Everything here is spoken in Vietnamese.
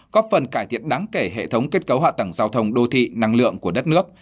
góp phần cải thiện đáng kể hệ thống kết cấu hạ tầng giao thông đô thị năng lượng của đất nước